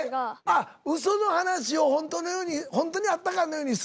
あっウソの話をホントのようにホントにあったかのようにする。